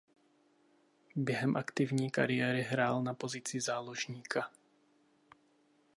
Během aktivní kariéry hrál na pozici záložníka.